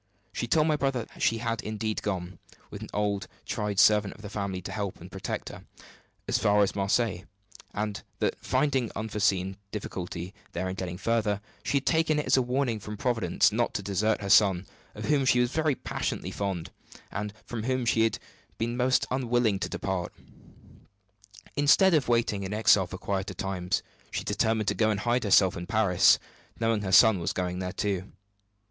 She told my brother that she had indeed gone (with an old, tried servant of the family to help and protect her) as far as Marseilles; and that, finding unforeseen difficulty there in getting further, she had taken it as a warning from Providence not to desert her son, of whom she was very passionately fond, and from whom she had been most unwilling to depart. Instead of waiting in exile for quieter times, she determined to go and hide herself in Paris, knowing her son was going there too.